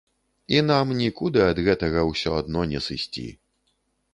І нам нікуды ад гэтага ўсё адно не сысці.